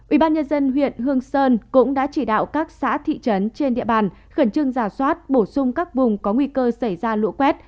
ubnd huyện hương sơn cũng đã chỉ đạo các xã thị trấn trên địa bàn khẩn trương giả soát bổ sung các vùng có nguy cơ xảy ra lũ quét